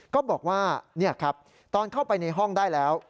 ก็บอกว่านี่ครับตอนเข้าไปในห้องได้แล้ว